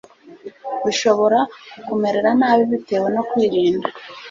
bishobora kukumerera nabi bitewe no kwirinda